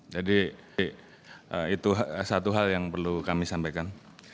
jadi itu satu hal yang perlu kami sampaikan